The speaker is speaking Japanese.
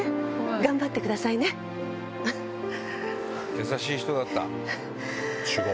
優しい人だった。